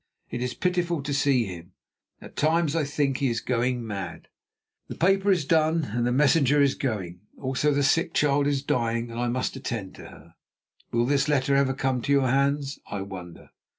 It is pitiful to see him; at times I think that he is going mad. "The paper is done, and the messenger is going; also the sick child is dying and I must attend to her. Will this letter ever come to your hands, I wonder?